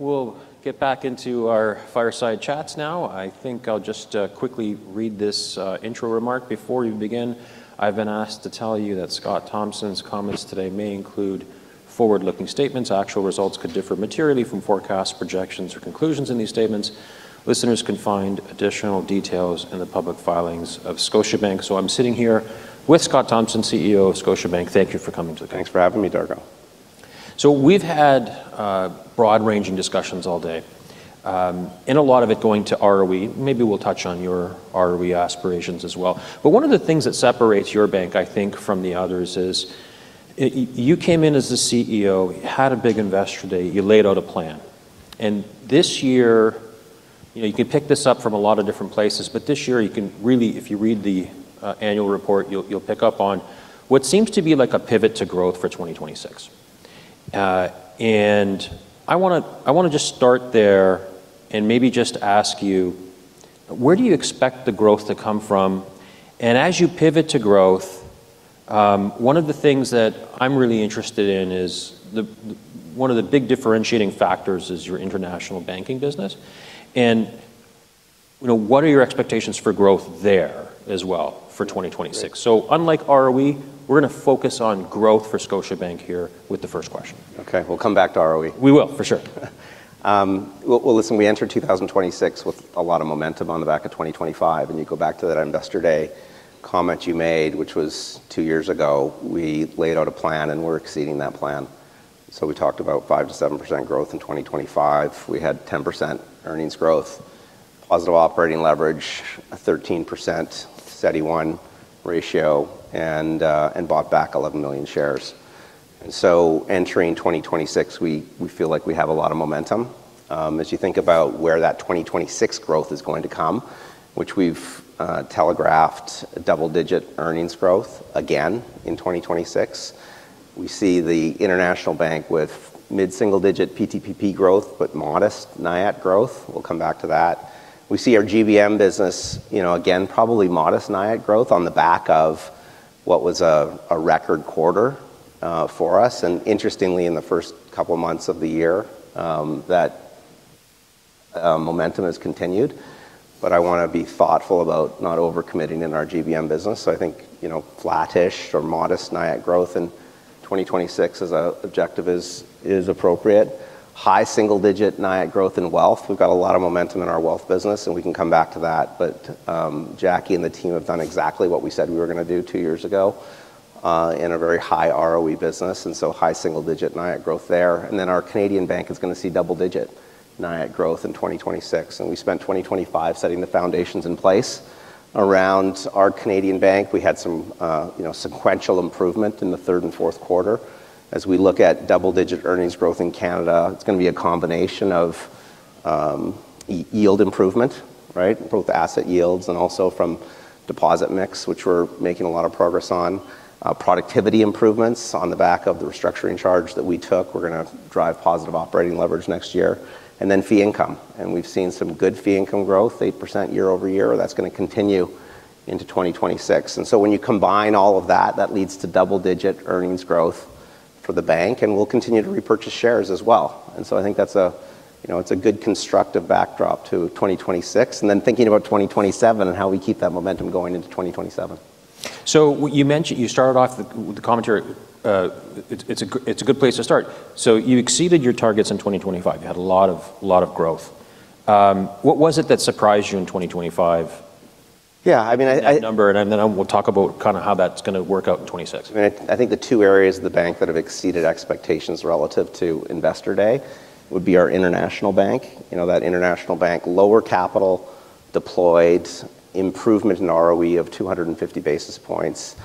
We'll get back into our fireside chats now. I think I'll just quickly read this intro remark. Before you begin, I've been asked to tell you that Scott Thomson's comments today may include forward-looking statements. Actual results could differ materially from forecasts, projections, or conclusions in these statements. Listeners can find additional details in the public filings of Scotiabank. So I'm sitting here with Scott Thomson, CEO of Scotiabank. Thank you for coming to the conference. Thanks for having me, Darko. We've had broad-ranging discussions all day, and a lot of it going to ROE. Maybe we'll touch on your ROE aspirations as well, but one of the things that separates your bank, I think, from the others is you came in as the CEO, had a big Investor Day, you laid out a plan, and this year you can pick this up from a lot of different places, but this year you can really, if you read the annual report, you'll pick up on what seems to be like a pivot to growth for 2026, and I want to just start there and maybe just ask you, where do you expect the growth to come from? As you pivot to growth, one of the things that I'm really interested in is one of the big differentiating factors, your international banking business. And what are your expectations for growth there as well for 2026? So unlike ROE, we're going to focus on growth for Scotiabank here with the first question. Okay, we'll come back to ROE. We will, for sure. Listen, we entered 2026 with a lot of momentum on the back of 2025. You go back to that Investor Day comment you made, which was two years ago. We laid out a plan and we're exceeding that plan. We talked about 5%-7% growth in 2025. We had 10% earnings growth, positive operating leverage, a 13% CET1 ratio, and bought back 11 million shares. Entering 2026, we feel like we have a lot of momentum. As you think about where that 2026 growth is going to come, which we've telegraphed double-digit earnings growth again in 2026, we see the international bank with mid-single-digit PTPP growth, but modest NIAT growth. We'll come back to that. We see our GBM business, again, probably modest NIAT growth on the back of what was a record quarter for us. Interestingly, in the first couple of months of the year, that momentum has continued. I want to be thoughtful about not overcommitting in our GBM business. I think flat-ish or modest NIAT growth in 2026 as an objective is appropriate. High single-digit NIAT growth in wealth. We've got a lot of momentum in our wealth business, and we can come back to that. Jacqui and the team have done exactly what we said we were going to do two years ago in a very high ROE business. High single-digit NIAT growth there. Our Canadian bank is going to see double-digit NIAT growth in 2026. We spent 2025 setting the foundations in place. Around our Canadian bank, we had some sequential improvement in the third and fourth quarter. As we look at double-digit earnings growth in Canada, it's going to be a combination of yield improvement, both asset yields and also from deposit mix, which we're making a lot of progress on, productivity improvements on the back of the restructuring charge that we took. We're going to drive positive operating leverage next year, and then fee income, and we've seen some good fee income growth, 8% year-over-year. That's going to continue into 2026, and so when you combine all of that, that leads to double-digit earnings growth for the bank, and we'll continue to repurchase shares as well, and so I think that's a good constructive backdrop to 2026, and then thinking about 2027 and how we keep that momentum going into 2027. So you started off with the commentary. It's a good place to start. So you exceeded your targets in 2025. You had a lot of growth. What was it that surprised you in 2025? Yeah, I mean. Number, and then we'll talk about kind of how that's going to work out in 2026. I mean, I think the two areas of the bank that have exceeded expectations relative to Investor Day would be our international bank. That international bank, lower capital deployed, improvement in ROE of 250 basis points,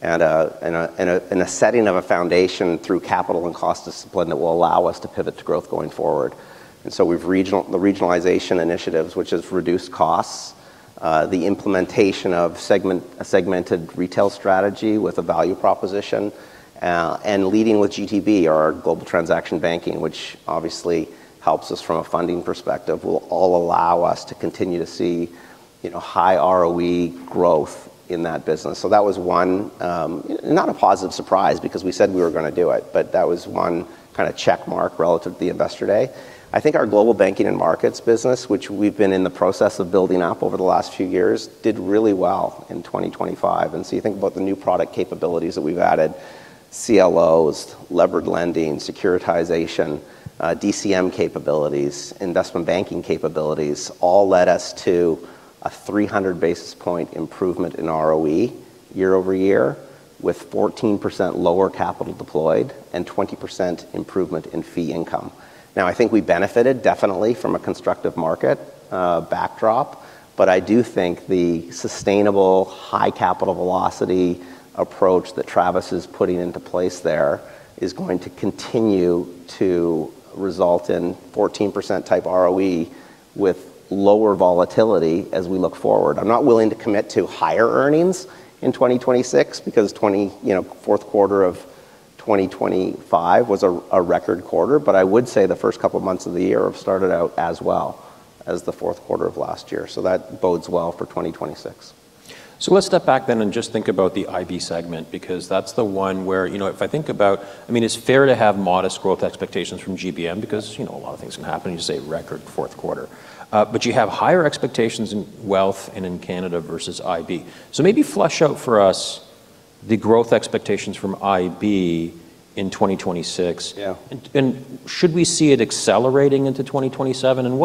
and a setting of a foundation through capital and cost discipline that will allow us to pivot to growth going forward, and so we've regionalized the regionalization initiatives, which has reduced costs, the implementation of a segmented retail strategy with a value proposition, and leading with GTB, our global transaction banking, which obviously helps us from a funding perspective, will all allow us to continue to see high ROE growth in that business, so that was one, not a positive surprise because we said we were going to do it, but that was one kind of checkmark relative to the Investor Day. I think our global banking and markets business, which we've been in the process of building up over the last few years, did really well in 2025. And so you think about the new product capabilities that we've added, CLOs, levered lending, securitization, DCM capabilities, investment banking capabilities, all led us to a 300 basis point improvement in ROE year-over-year with 14% lower capital deployed and 20% improvement in fee income. Now, I think we benefited definitely from a constructive market backdrop, but I do think the sustainable high capital velocity approach that Travis is putting into place there is going to continue to result in 14% type ROE with lower volatility as we look forward. I'm not willing to commit to higher earnings in 2026 because the fourth quarter of 2025 was a record quarter, but I would say the first couple of months of the year have started out as well as the fourth quarter of last year, so that bodes well for 2026. So, let's step back then and just think about the IB segment because that's the one where if I think about, I mean, it's fair to have modest growth expectations from GBM because a lot of things can happen. You say record fourth quarter, but you have higher expectations in wealth and in Canada versus IB. So maybe flesh out for us the growth expectations from IB in 2026. And should we see it accelerating into 2027? And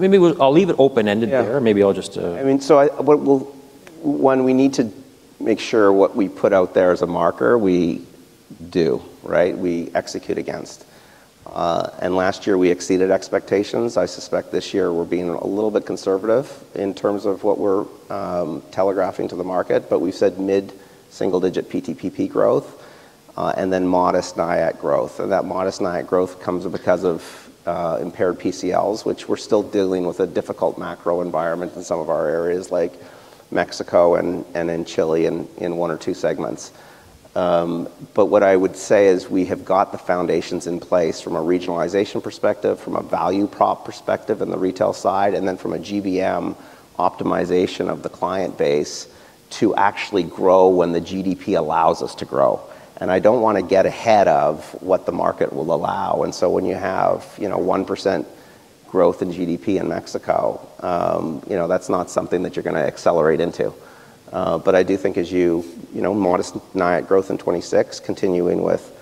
maybe I'll leave it open-ended there. Maybe I'll just. I mean, so one, we need to make sure what we put out there as a marker. We do, right? We execute against. Last year we exceeded expectations. I suspect this year we're being a little bit conservative in terms of what we're telegraphing to the market, but we've said mid-single-digit PTPP growth and then modest NIAT growth. That modest NIAT growth comes because of impaired PCLs, which we're still dealing with a difficult macro environment in some of our areas like Mexico and in Chile in one or two segments. What I would say is we have got the foundations in place from a regionalization perspective, from a value prop perspective in the retail side, and then from a GBM optimization of the client base to actually grow when the GDP allows us to grow. I don't want to get ahead of what the market will allow. So when you have 1% growth in GDP in Mexico, that's not something that you're going to accelerate into. But I do think as you model modest NIAT growth in 2026, continuing with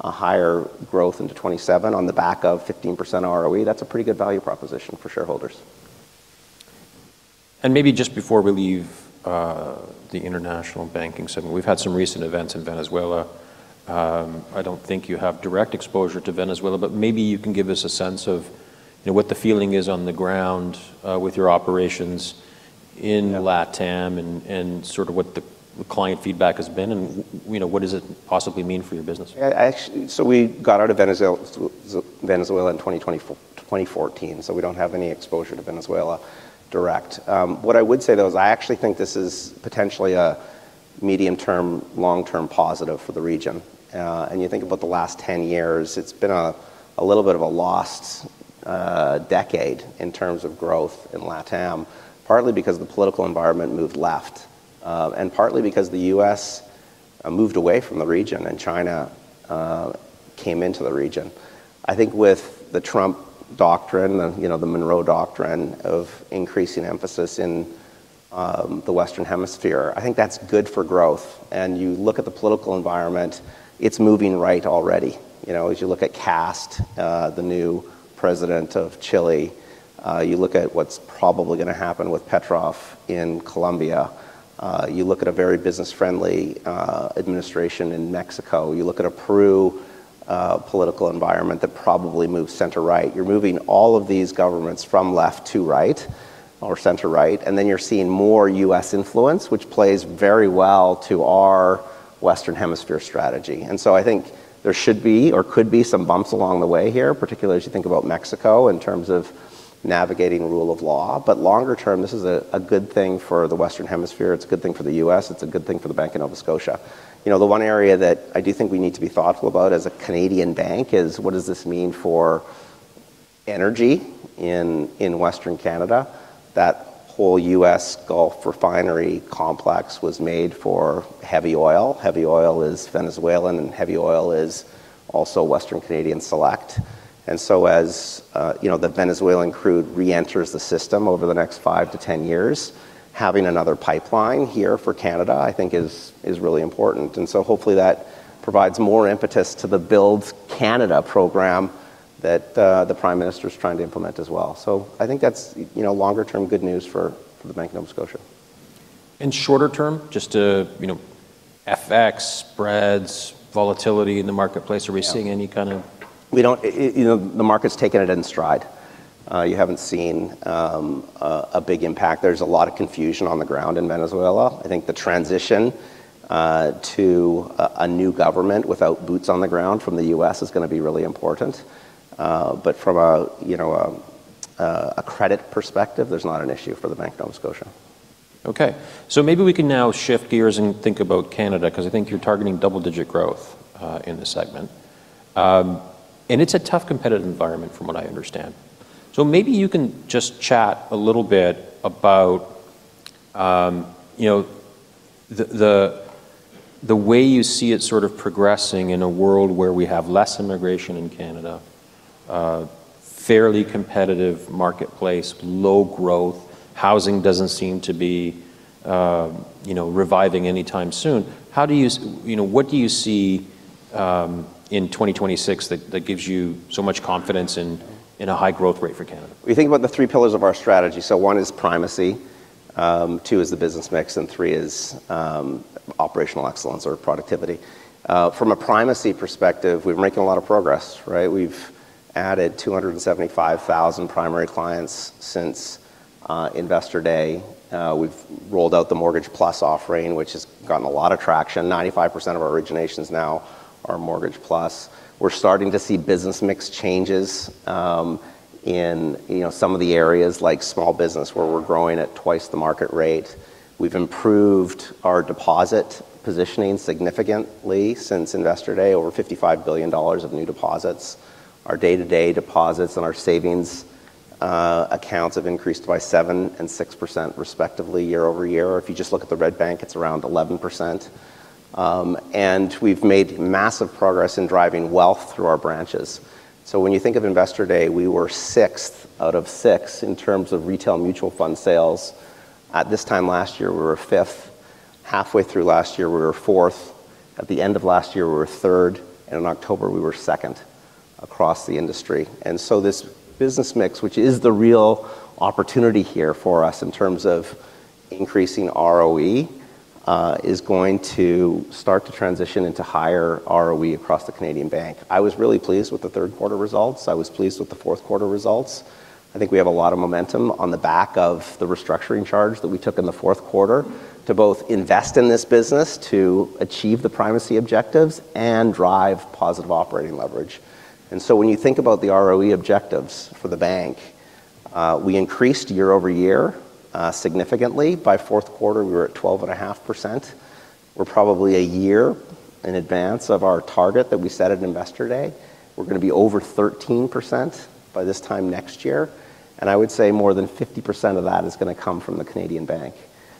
a higher growth into 2027 on the back of 15% ROE, that's a pretty good value proposition for shareholders. And maybe just before we leave the international banking segment, we've had some recent events in Venezuela. I don't think you have direct exposure to Venezuela, but maybe you can give us a sense of what the feeling is on the ground with your operations in LATAM and sort of what the client feedback has been and what does it possibly mean for your business? We got out of Venezuela in 2014, so we don't have any exposure to Venezuela direct. What I would say, though, is I actually think this is potentially a medium-term, long-term positive for the region. You think about the last 10 years; it's been a little bit of a lost decade in terms of growth in LATAM, partly because the political environment moved left and partly because the U.S. moved away from the region and China came into the region. I think with the Trump doctrine and the Monroe Doctrine of increasing emphasis in the Western Hemisphere, I think that's good for growth. You look at the political environment; it's moving right already. As you look at Kast, the new president of Chile, you look at what's probably going to happen with Petro in Colombia. You look at a very business-friendly administration in Mexico. You look at Peru's political environment that probably moves center-right. You're moving all of these governments from left to right or center-right, and then you're seeing more U.S. influence, which plays very well to our Western Hemisphere strategy, and so I think there should be or could be some bumps along the way here, particularly as you think about Mexico in terms of navigating rule of law, but longer term, this is a good thing for the Western Hemisphere. It's a good thing for the U.S. It's a good thing for the Bank of Nova Scotia. The one area that I do think we need to be thoughtful about as a Canadian bank is what does this mean for energy in Western Canada? That whole U.S. Gulf refinery complex was made for heavy oil. Heavy oil is Venezuelan, and heavy oil is also Western Canadian Select. And so as the Venezuelan crude reenters the system over the next five to 10 years, having another pipeline here for Canada, I think is really important. And so hopefully that provides more impetus to the Build Canada program that the Prime Minister is trying to implement as well. So I think that's longer-term good news for the Bank of Nova Scotia. And shorter term, just FX spreads, volatility in the marketplace, are we seeing any kind of? The market's taken it in stride. You haven't seen a big impact. There's a lot of confusion on the ground in Venezuela. I think the transition to a new government without boots on the ground from the U.S. is going to be really important. But from a credit perspective, there's not an issue for the Bank of Nova Scotia. Okay. So maybe we can now shift gears and think about Canada because I think you're targeting double-digit growth in the segment. And it's a tough competitive environment from what I understand. So maybe you can just chat a little bit about the way you see it sort of progressing in a world where we have less immigration in Canada, fairly competitive marketplace, low growth, housing doesn't seem to be reviving anytime soon. What do you see in 2026 that gives you so much confidence in a high growth rate for Canada? We think about the three pillars of our strategy. So one is primacy, two is the business mix, and three is operational excellence or productivity. From a primacy perspective, we've been making a lot of progress. We've added 275,000 primary clients since Investor Day. We've rolled out the Mortgage+ offering, which has gotten a lot of traction. 95% of our originations now are Mortgage+. We're starting to see business mix changes in some of the areas like small business where we're growing at twice the market rate. We've improved our deposit positioning significantly since Investor Day, over 55 billion dollars of new deposits. Our day-to-day deposits and our savings accounts have increased by 7% and 6% respectively year-over-year. If you just look at the Red Bank, it's around 11%. And we've made massive progress in driving wealth through our branches. When you think of Investor Day, we were sixth out of six in terms of retail mutual fund sales. At this time last year, we were fifth. Halfway through last year, we were fourth. At the end of last year, we were third. In October, we were second across the industry. This business mix, which is the real opportunity here for us in terms of increasing ROE, is going to start to transition into higher ROE across the Canadian bank. I was really pleased with the third quarter results. I was pleased with the fourth quarter results. I think we have a lot of momentum on the back of the restructuring charge that we took in the fourth quarter to both invest in this business, to achieve the primacy objectives, and drive positive operating leverage. And so when you think about the ROE objectives for the bank, we increased year-over-year significantly. By fourth quarter, we were at 12.5%. We're probably a year in advance of our target that we set at Investor Day. We're going to be over 13% by this time next year. And I would say more than 50% of that is going to come from the Canadian bank.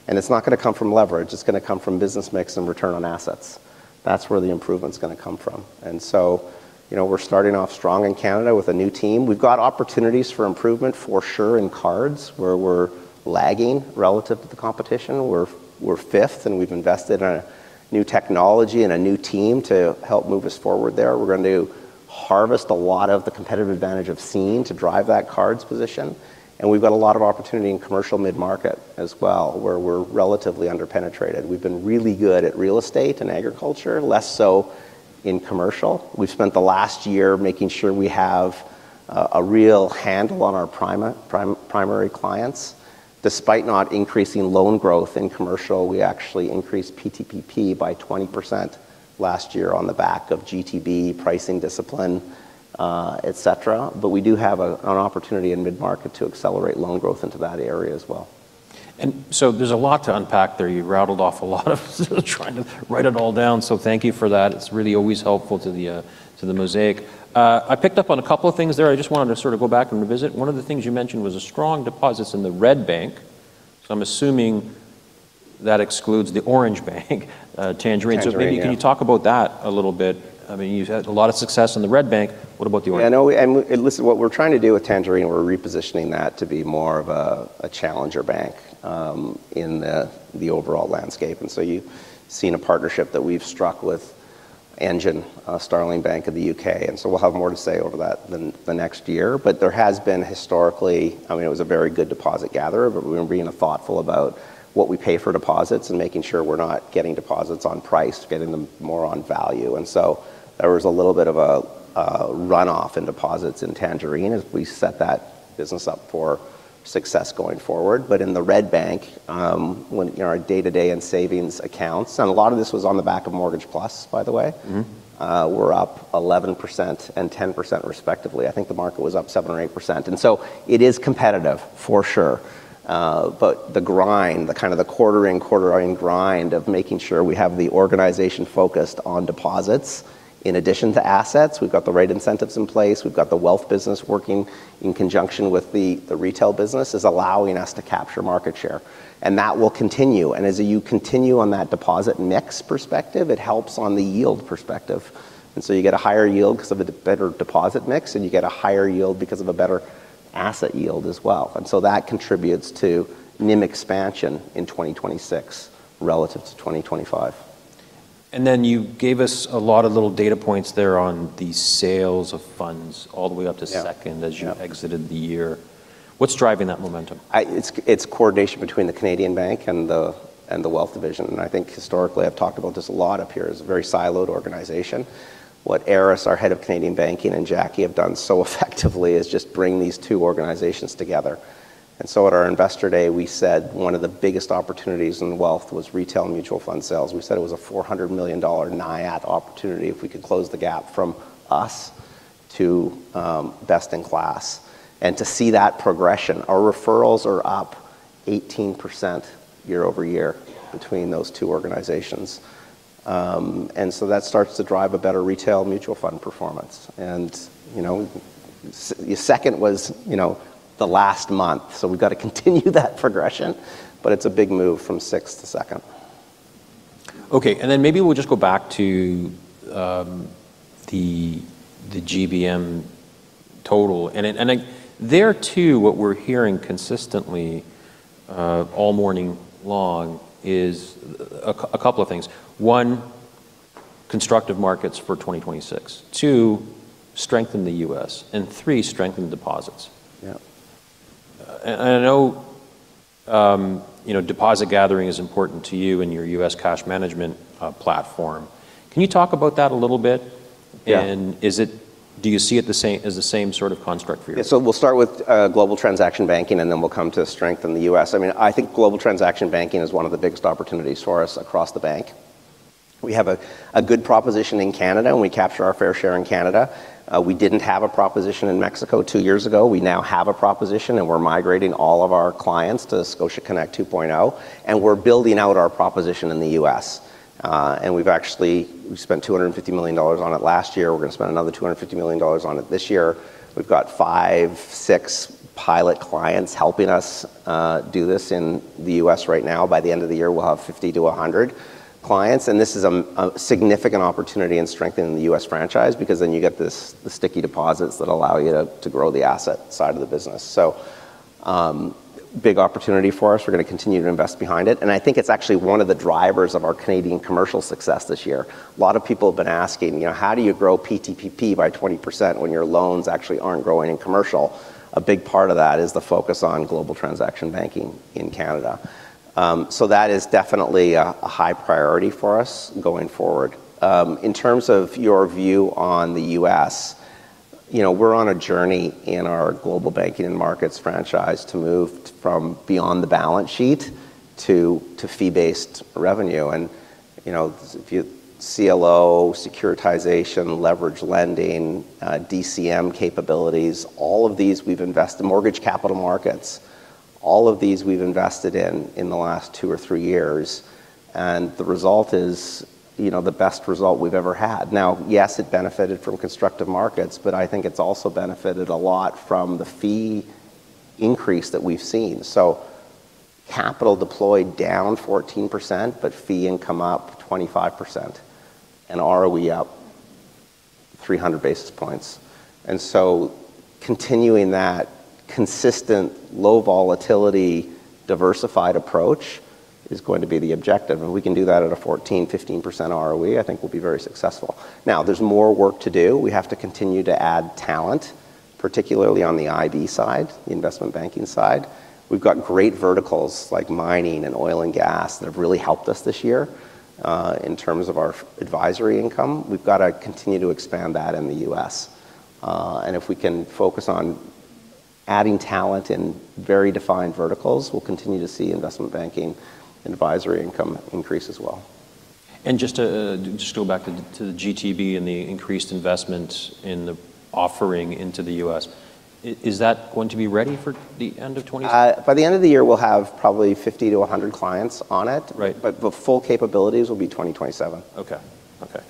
And it's not going to come from leverage. It's going to come from business mix and return on assets. That's where the improvement's going to come from. And so we're starting off strong in Canada with a new team. We've got opportunities for improvement for sure in cards where we're lagging relative to the competition. We're fifth, and we've invested in a new technology and a new team to help move us forward there. We're going to harvest a lot of the competitive advantage of Scotia to drive that cards position. And we've got a lot of opportunity in commercial mid-market as well where we're relatively underpenetrated. We've been really good at real estate and agriculture, less so in commercial. We've spent the last year making sure we have a real handle on our primary clients. Despite not increasing loan growth in commercial, we actually increased PTPP by 20% last year on the back of GTB, pricing discipline, etc. But we do have an opportunity in mid-market to accelerate loan growth into that area as well. And so there's a lot to unpack there. You rattled off a lot of trying to write it all down. So thank you for that. It's really always helpful to the mosaic. I picked up on a couple of things there. I just wanted to sort of go back and revisit. One of the things you mentioned was strong deposits in the Red Bank. So I'm assuming that excludes the Orange Bank, Tangerine. So maybe can you talk about that a little bit? I mean, you've had a lot of success in the Red Bank. What about the Orange Bank? Yeah. And listen, what we're trying to do with Tangerine, we're repositioning that to be more of a challenger bank in the overall landscape. And so you've seen a partnership that we've struck with Engine by Starling Bank of the U.K. And so we'll have more to say over that the next year. But there has been historically, I mean, it was a very good deposit gatherer, but we're being thoughtful about what we pay for deposits and making sure we're not getting deposits on price, getting them more on value. And so there was a little bit of a runoff in deposits in Tangerine as we set that business up for success going forward. But in the Red Bank, our day-to-day and savings accounts, and a lot of this was on the back of Mortgage+, by the way, were up 11% and 10% respectively. I think the market was up 7% or 8%. And so it is competitive for sure. But the grind, the kind of the quarter-in, quarter-in grind of making sure we have the organization focused on deposits in addition to assets, we've got the right incentives in place, we've got the wealth business working in conjunction with the retail business is allowing us to capture market share. And that will continue. And as you continue on that deposit mix perspective, it helps on the yield perspective. And so you get a higher yield because of a better deposit mix, and you get a higher yield because of a better asset yield as well. And so that contributes to NIM expansion in 2026 relative to 2025. And then you gave us a lot of little data points there on the sales of funds all the way up to second as you exited the year. What's driving that momentum? It’s coordination between the Canadian bank and the Wealth Division. And I think historically, I’ve talked about this a lot up here. It’s a very siloed organization. What Aris, our head of Canadian banking, and Jacqui have done so effectively is just bring these two organizations together. And so at our Investor Day, we said one of the biggest opportunities in wealth was retail mutual fund sales. We said it was a 400 million dollar NIAT opportunity if we could close the gap from us to best in class. And to see that progression, our referrals are up 18% year-over-year between those two organizations. And so that starts to drive a better retail mutual fund performance. And second was the last month. So we’ve got to continue that progression, but it’s a big move from sixth to second. Okay. And then maybe we'll just go back to the GBM total. And there, too, what we're hearing consistently all morning long is a couple of things. One, constructive markets for 2026. Two, strengthen the U.S. And three, strengthen deposits. And I know deposit gathering is important to you and your U.S. cash management platform. Can you talk about that a little bit? And do you see it as the same sort of construct for you? Yeah. So we'll start with global transaction banking, and then we'll come to strengthen the U.S. I mean, I think global transaction banking is one of the biggest opportunities for us across the bank. We have a good proposition in Canada, and we capture our fair share in Canada. We didn't have a proposition in Mexico two years ago. We now have a proposition, and we're migrating all of our clients to ScotiaConnect 2.0. And we're building out our proposition in the U.S. And we've actually spent 250 million dollars on it last year. We're going to spend another 250 million dollars on it this year. We've got five, six pilot clients helping us do this in the U.S. right now. By the end of the year, we'll have 50-100 clients. This is a significant opportunity in strengthening the U.S. franchise because then you get the sticky deposits that allow you to grow the asset side of the business. So big opportunity for us. We're going to continue to invest behind it. And I think it's actually one of the drivers of our Canadian commercial success this year. A lot of people have been asking, how do you grow PTPP by 20% when your loans actually aren't growing in commercial? A big part of that is the focus on global transaction banking in Canada. So that is definitely a high priority for us going forward. In terms of your view on the U.S., we're on a journey in our global banking and markets franchise to move from beyond the balance sheet to fee-based revenue. If you CLO, securitization, leveraged lending, DCM capabilities, all of these we've invested more in capital markets. All of these we've invested in the last two or three years. The result is the best result we've ever had. Now, yes, it benefited from constructive markets, but I think it's also benefited a lot from the fee increase that we've seen. Capital deployed down 14%, but fee income up 25%. ROE up 300 basis points. Continuing that consistent low volatility diversified approach is going to be the objective. We can do that at a 14%-15% ROE. I think we'll be very successful. Now, there's more work to do. We have to continue to add talent, particularly on the IB side, the investment banking side. We've got great verticals like mining and oil and gas that have really helped us this year in terms of our advisory income. We've got to continue to expand that in the U.S. And if we can focus on adding talent in very defined verticals, we'll continue to see investment banking and advisory income increase as well. Just to go back to the GTB and the increased investment in the offering into the U.S., is that going to be ready for the end of 2026? By the end of the year, we'll have probably 50-100 clients on it. But the full capabilities will be 2027. Okay.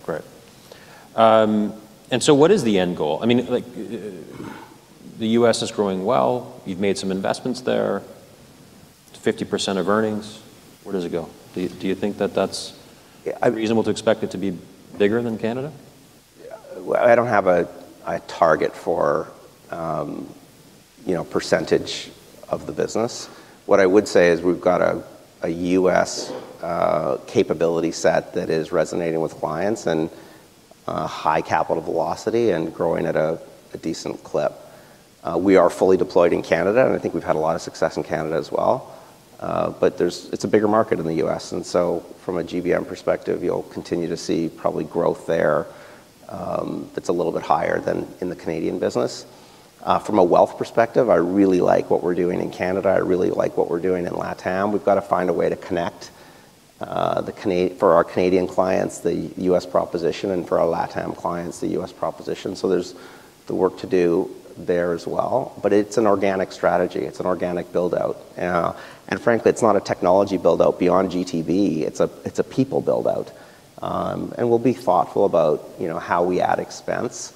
Great, and so what is the end goal? I mean, the U.S. is growing well. You've made some investments there. 50% of earnings. Where does it go? Do you think that that's reasonable to expect it to be bigger than Canada? I don't have a target for percentage of the business. What I would say is we've got a U.S. capability set that is resonating with clients and high capital velocity and growing at a decent clip. We are fully deployed in Canada, and I think we've had a lot of success in Canada as well. But it's a bigger market in the U.S. And so from a GBM perspective, you'll continue to see probably growth there that's a little bit higher than in the Canadian business. From a wealth perspective, I really like what we're doing in Canada. I really like what we're doing in LATAM. We've got to find a way to connect for our Canadian clients, the U.S. proposition, and for our LATAM clients, the U.S. proposition. So there's the work to do there as well. But it's an organic strategy. It's an organic buildout. Frankly, it's not a technology buildout beyond GTB. It's a people buildout. We'll be thoughtful about how we add expense.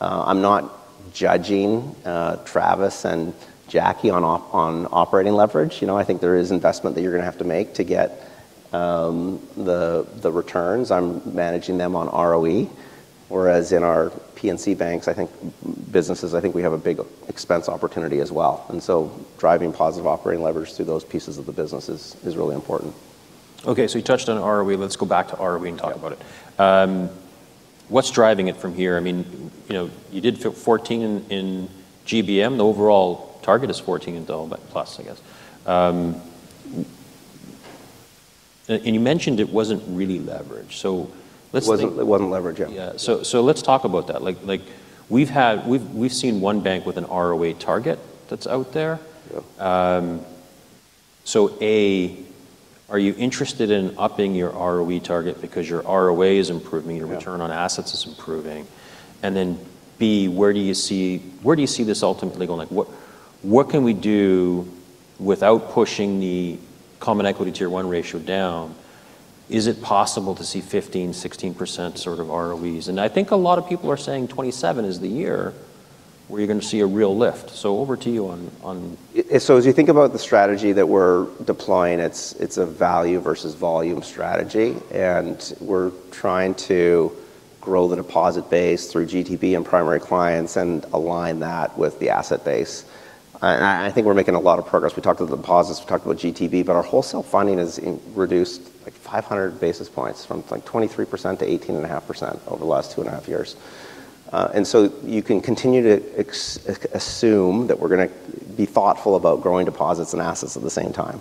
I'm not judging Travis and Jacqui on operating leverage. I think there is investment that you're going to have to make to get the returns. I'm managing them on ROE. Whereas in our P&C businesses, I think we have a big expense opportunity as well. So driving positive operating leverage through those pieces of the business is really important. Okay. So you touched on ROE. Let's go back to ROE and talk about it. What's driving it from here? I mean, you did 14 in GBM. The overall target is 14 in development plus, I guess. And you mentioned it wasn't really leverage. So let's. It wasn't leverage, yeah. Yeah. So let's talk about that. We've seen one bank with an ROE target that's out there. So A, are you interested in upping your ROE target because your ROA is improving, your return on assets is improving? And then B, where do you see this ultimately going? What can we do without pushing the common equity tier one ratio down? Is it possible to see 15%-16% sort of ROEs? And I think a lot of people are saying 2027 is the year where you're going to see a real lift. So over to you on. So as you think about the strategy that we're deploying, it's a value versus volume strategy. And we're trying to grow the deposit base through GTB and primary clients and align that with the asset base. And I think we're making a lot of progress. We talked about deposits, we talked about GTB, but our wholesale funding has reduced like 500 basis points from like 23% to 18.5% over the last two and a half years. And so you can continue to assume that we're going to be thoughtful about growing deposits and assets at the same time.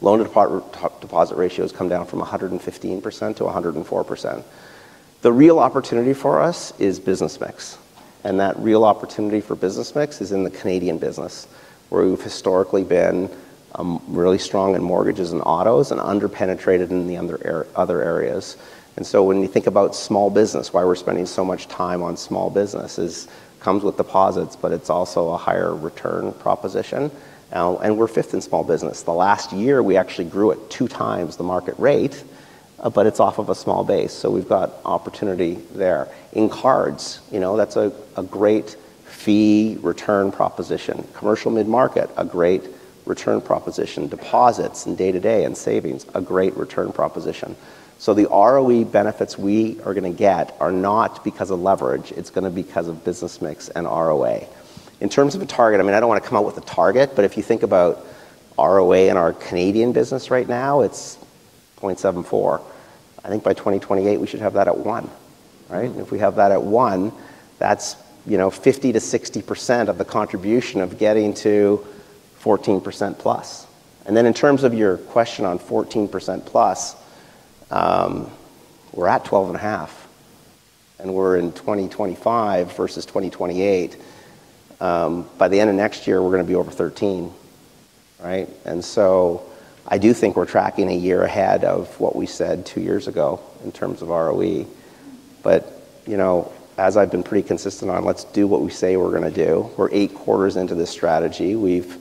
Loan to deposit ratios come down from 115% to 104%. The real opportunity for us is business mix. And that real opportunity for business mix is in the Canadian business, where we've historically been really strong in mortgages and autos and underpenetrated in the other areas. And so when you think about small business, why we're spending so much time on small business comes with deposits, but it's also a higher return proposition. And we're fifth in small business. The last year, we actually grew at two times the market rate, but it's off of a small base. So we've got opportunity there. In cards, that's a great fee return proposition. Commercial mid-market, a great return proposition. Deposits and day-to-day and savings, a great return proposition. So the ROE benefits we are going to get are not because of leverage. It's going to be because of business mix and ROA. In terms of a target, I mean, I don't want to come out with a target, but if you think about ROA in our Canadian business right now, it's 0.74. I think by 2028, we should have that at one, right? If we have that at one, that's 50%-60% of the contribution of getting to 14% plus. And then in terms of your question on 14% plus, we're at 12.5%. And we're in 2025 versus 2028. By the end of next year, we're going to be over 13%, right? And so I do think we're tracking a year ahead of what we said two years ago in terms of ROE. But as I've been pretty consistent on, let's do what we say we're going to do. We're eight quarters into this strategy. We've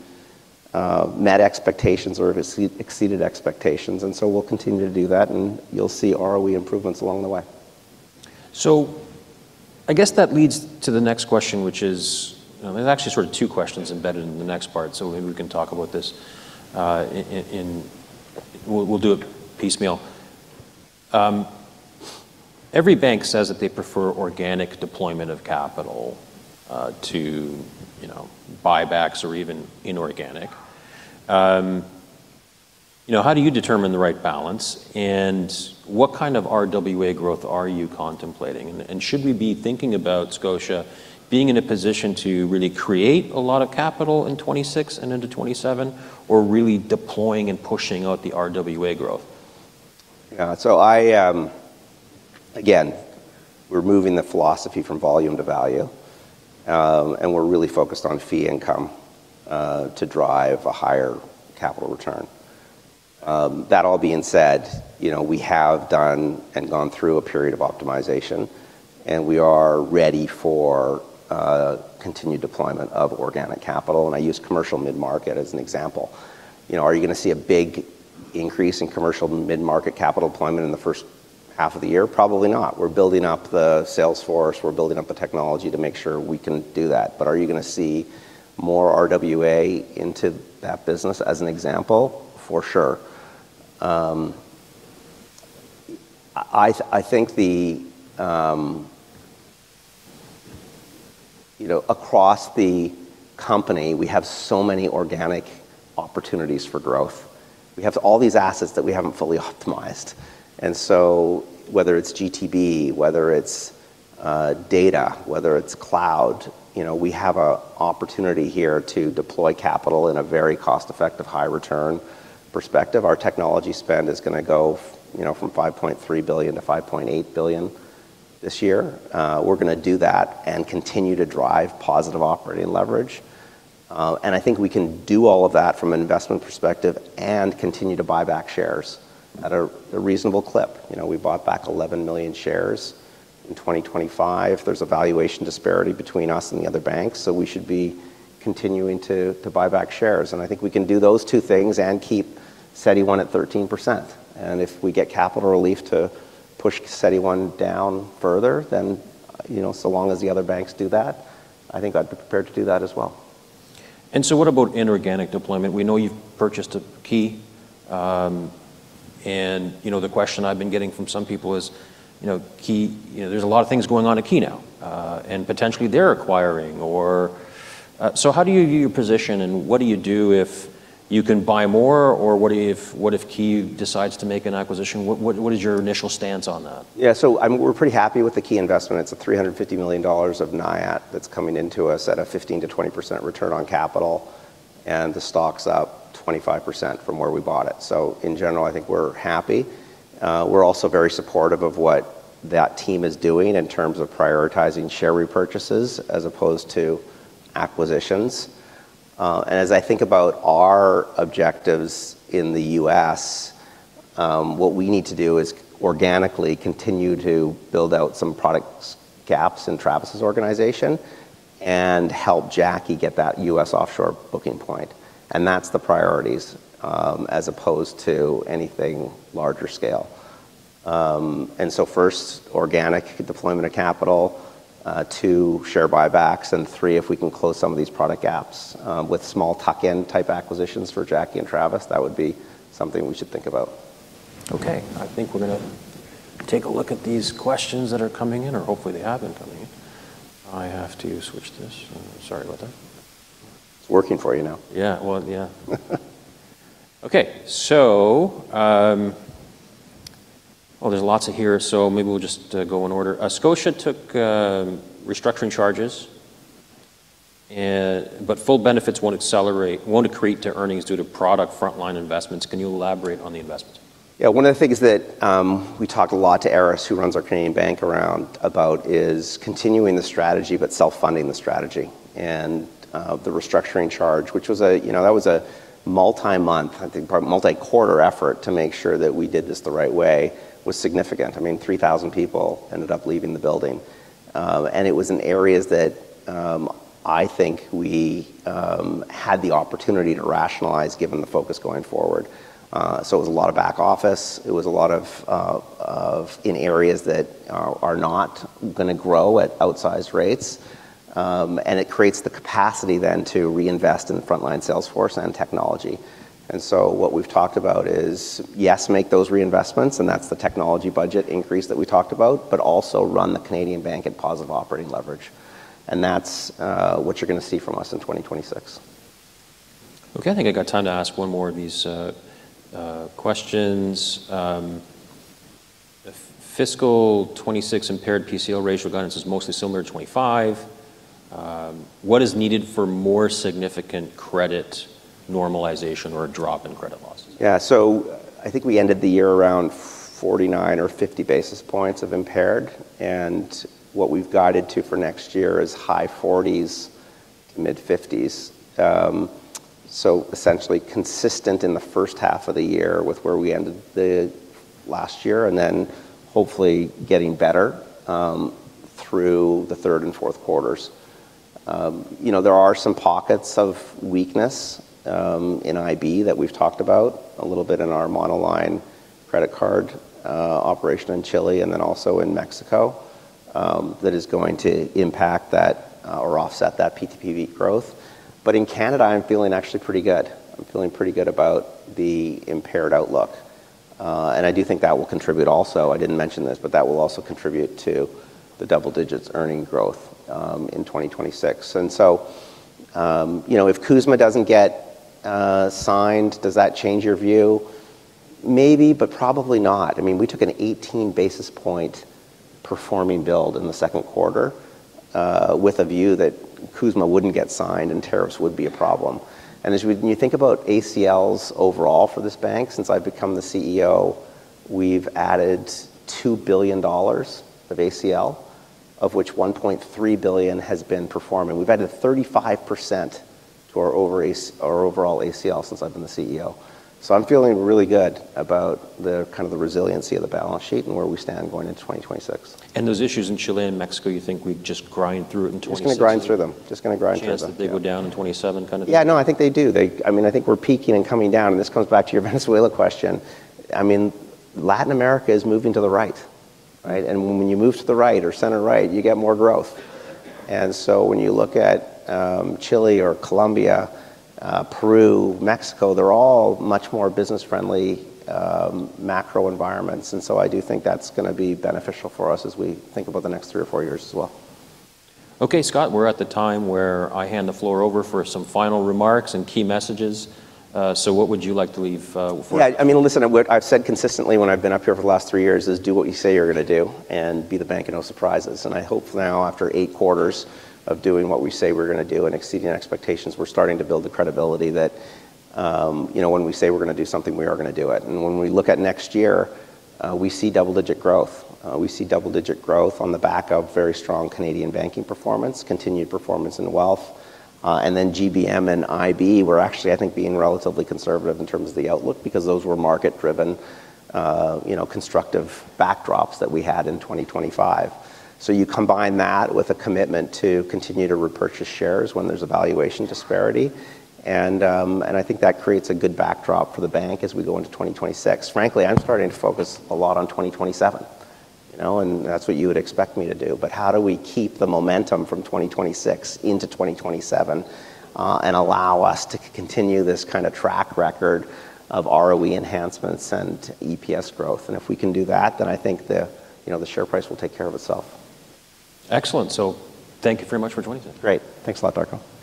met expectations or exceeded expectations. And so we'll continue to do that, and you'll see ROE improvements along the way. So I guess that leads to the next question, which is, there's actually sort of two questions embedded in the next part, so maybe we can talk about this. We'll do it piecemeal. Every bank says that they prefer organic deployment of capital to buybacks or even inorganic. How do you determine the right balance? And what kind of RWA growth are you contemplating? And should we be thinking about Scotia being in a position to really create a lot of capital in 2026 and into 2027, or really deploying and pushing out the RWA growth? Yeah. So again, we're moving the philosophy from volume to value. And we're really focused on fee income to drive a higher capital return. That all being said, we have done and gone through a period of optimization, and we are ready for continued deployment of organic capital. And I use commercial mid-market as an example. Are you going to see a big increase in commercial mid-market capital deployment in the first half of the year? Probably not. We're building up the sales force. We're building up the technology to make sure we can do that. But are you going to see more RWA into that business as an example? For sure. I think across the company, we have so many organic opportunities for growth. We have all these assets that we haven't fully optimized. And so whether it's GTB, whether it's data, whether it's cloud, we have an opportunity here to deploy capital in a very cost-effective, high-return perspective. Our technology spend is going to go from 5.3 billion-5.8 billion this year. We're going to do that and continue to drive positive operating leverage. And I think we can do all of that from an investment perspective and continue to buy back shares at a reasonable clip. We bought back 11 million shares in 2025. There's a valuation disparity between us and the other banks, so we should be continuing to buy back shares. And I think we can do those two things and keep CET1 at 13%. And if we get capital relief to push CET1 down further, then so long as the other banks do that, I think I'd be prepared to do that as well. What about inorganic deployment? We know you've purchased Key. The question I've been getting from some people is, there's a lot of things going on at Key now. Potentially they're acquiring. How do you view your position, and what do you do if you can buy more, or what if Key decides to make an acquisition? What is your initial stance on that? Yeah. So we're pretty happy with the Key investment. It's a $350 million of NIAT that's coming into us at a 15%-20% return on capital. And the stock's up 25% from where we bought it. So in general, I think we're happy. We're also very supportive of what that team is doing in terms of prioritizing share repurchases as opposed to acquisitions. And as I think about our objectives in the U.S., what we need to do is organically continue to build out some product gaps in Travis's organization and help Jacqui get that U.S. offshore booking point. And that's the priorities as opposed to anything larger scale. And so first, organic deployment of capital, two, share buybacks, and three, if we can close some of these product gaps with small tuck-in type acquisitions for Jacqui and Travis, that would be something we should think about. Okay. I think we're going to take a look at these questions that are coming in, or hopefully they have been coming in. I have to switch this. Sorry about that. It's working for you now. Yeah. Well, yeah. Okay. So there's lots here, so maybe we'll just go in order. Scotia took restructuring charges, but full benefits won't accrete to earnings due to product frontline investments. Can you elaborate on the investments? Yeah. One of the things that we talk a lot to Aris, who runs our Canadian bank around, about is continuing the strategy, but self-funding the strategy. And the restructuring charge, which was a multi-month, I think multi-quarter effort to make sure that we did this the right way, was significant. I mean, 3,000 people ended up leaving the building. And it was in areas that I think we had the opportunity to rationalize given the focus going forward. So it was a lot of back office. It was a lot of in areas that are not going to grow at outsized rates. And it creates the capacity then to reinvest in frontline sales force and technology. And so what we've talked about is, yes, make those reinvestments, and that's the technology budget increase that we talked about, but also run the Canadian bank at positive operating leverage. That's what you're going to see from us in 2026. Okay. I think I got time to ask one more of these questions. Fiscal 2026 impaired PCL ratio guidance is mostly similar to 2025. What is needed for more significant credit normalization or a drop in credit losses? Yeah. So I think we ended the year around 49 or 50 basis points of impaired. And what we've guided to for next year is high 40s to mid-50s. So essentially consistent in the first half of the year with where we ended last year, and then hopefully getting better through the third and fourth quarters. There are some pockets of weakness in IB that we've talked about a little bit in our monoline credit card operation in Chile and then also in Mexico that is going to impact that or offset that PTPP growth. But in Canada, I'm feeling actually pretty good. I'm feeling pretty good about the impaired outlook. And I do think that will contribute also. I didn't mention this, but that will also contribute to the double digits earning growth in 2026. And so if CUSMA doesn't get signed, does that change your view? Maybe, but probably not. I mean, we took an 18 basis point performing build in the second quarter with a view that CUSMA wouldn't get signed and tariffs would be a problem. And as you think about ACLs overall for this bank, since I've become the CEO, we've added 2 billion dollars of ACL, of which 1.3 billion has been performing. We've added 35% to our overall ACL since I've been the CEO. So I'm feeling really good about the kind of resiliency of the balance sheet and where we stand going into 2026. Those issues in Chile and Mexico, you think we just grind through it in 2026? Just going to grind through them. Chances that they go down in 2027 kind of thing? Yeah. No, I think they do. I mean, I think we're peaking and coming down. And this comes back to your Venezuela question. I mean, Latin America is moving to the right, right? And when you move to the right or center right, you get more growth. And so when you look at Chile or Colombia, Peru, Mexico, they're all much more business-friendly macro environments. And so I do think that's going to be beneficial for us as we think about the next three or four years as well. Okay, Scott, we're at the time where I hand the floor over for some final remarks and key messages. So what would you like to leave for? Yeah. I mean, listen, I've said consistently when I've been up here for the last three years is do what you say you're going to do and be the bank of no surprises. And I hope now, after eight quarters of doing what we say we're going to do and exceeding expectations, we're starting to build the credibility that when we say we're going to do something, we are going to do it. And when we look at next year, we see double-digit growth. We see double-digit growth on the back of very strong Canadian banking performance, continued performance in wealth. And then GBM and IB were actually, I think, being relatively conservative in terms of the outlook because those were market-driven constructive backdrops that we had in 2025. So you combine that with a commitment to continue to repurchase shares when there's a valuation disparity. I think that creates a good backdrop for the bank as we go into 2026. Frankly, I'm starting to focus a lot on 2027. That's what you would expect me to do. But how do we keep the momentum from 2026 into 2027 and allow us to continue this kind of track record of ROE enhancements and EPS growth? If we can do that, then I think the share price will take care of itself. Excellent. So thank you very much for joining today. Great. Thanks a lot, Darko. Cheers.